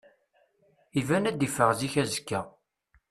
Iban ad iffeɣ zik azekka.